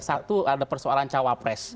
satu ada persoalan cawapres